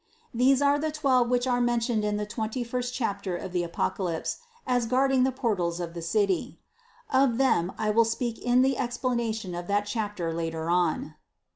These are the twelve which are mentioned in the twenty first chapter of the Apoca lypse as guarding the portals of the city ; of them I will speak in the explanation of that chapter later on.